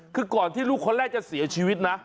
คือก่อนที่ลูกคนแรกจะเสียชีวิตนะ